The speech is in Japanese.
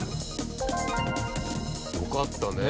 よかったね。